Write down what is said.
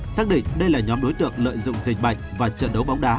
xác định đây là nhóm đối tượng lợi dụng dịch bệnh và trận đấu bóng đá